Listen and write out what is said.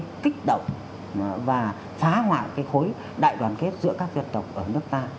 để gây kích động và phá hoại cái khối đại đoàn kết giữa các dân tộc ở nước ta